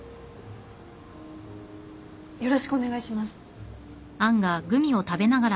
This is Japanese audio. よろしくお願いします。